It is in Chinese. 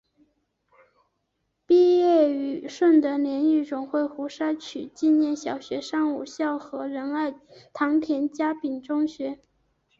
毕业于顺德联谊总会胡少渠纪念小学上午校和仁爱堂田家炳中学。